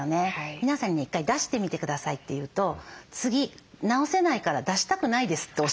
皆さんに「１回出してみて下さい」って言うと「次直せないから出したくないです」っておっしゃるんですね。